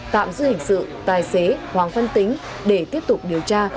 tạm giữ hình sự tài xế hoàng phân tính để tiếp tục điều tra